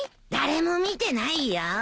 誰も見てないよ。